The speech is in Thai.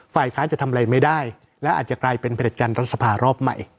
ฝ่ายค้านจะทำอะไรไม่ได้และอาจจะกลายเป็นผลิตการรัฐสภารอบใหม่